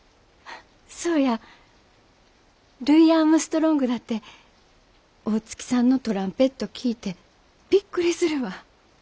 そうやルイ・アームストロングだって大月さんのトランペット聴いてびっくりするわ。